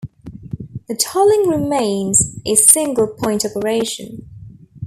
The tolling remains a single point operation.